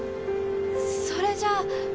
それじゃあ。